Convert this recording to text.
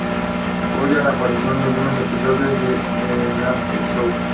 Pollard apareció en algunos episodios de "The Andy Griffith Show".